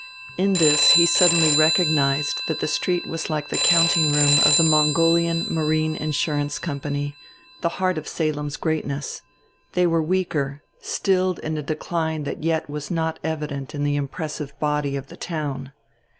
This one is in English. In this he suddenly recognized that the street was like the countingroom of the Mongolian Marine Insurance Company, the heart of Salem's greatness they were weaker, stilled in a decline that yet was not evident in the impressive body of the town.